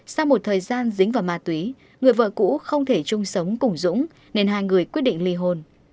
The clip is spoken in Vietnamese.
sau một thời gian dính vào ma túy người vợ cũ không thể chung sống cùng dũng nên hai người quyết định ly hôn